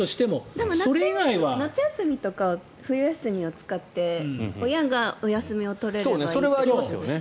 でも夏休みとか冬休みを使って親がお休みを取れればいいということですよね。